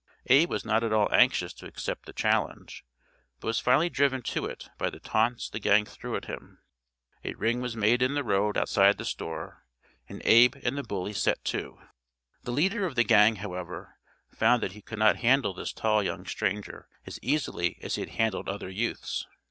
Abe was not at all anxious to accept the challenge, but was finally driven to it by the taunts the gang threw at him. A ring was made in the road outside the store, and Abe and the bully set to. The leader of the gang, however, found that he could not handle this tall young stranger as easily as he had handled other youths.